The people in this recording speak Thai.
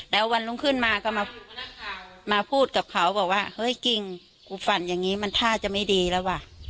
แล้ววันรุ่งขึ้นมาก็มาพูดกับเขาบอกว่าเฮ้ยจริงกูฝันอย่างนี้มันท่าจะไม่ดีแล้วว่ะ